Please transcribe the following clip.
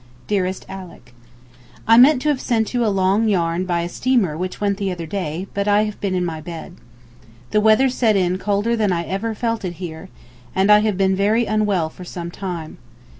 DEAREST ALICK, I meant to have sent you a long yarn by a steamer which went the other day, but I have been in my bed. The weather set in colder than I ever felt it here, and I have been very unwell for some time.